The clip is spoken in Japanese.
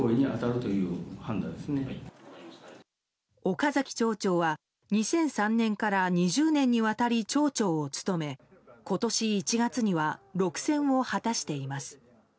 岡崎町長は、２００３年から２０年にわたり町長を務め今年１月には６選を果たしています。